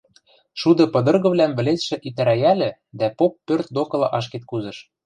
шуды пыдыргывлӓм вӹлецшӹ итӹрӓйӓльӹ дӓ поп пӧрт докыла ашкед кузыш.